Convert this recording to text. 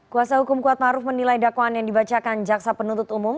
kuasa hukum kuatmaruf menilai dakwaan yang dibacakan jaksa penuntut umum